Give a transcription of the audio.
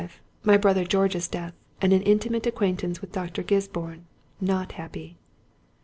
My brother George's death, and an intimate acquaintance with Dr. Gisborne—not happy....